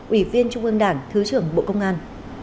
ủy viên trung ương đảng thứ trưởng bộ công an